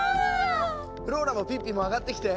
フローラもピッピも上がってきて。